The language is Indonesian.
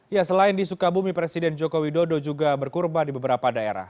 ya selain di sukabumi presiden joko widodo juga berkurban di beberapa daerah